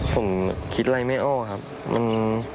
ผมคิดอะไรไม่อ้อครับมัน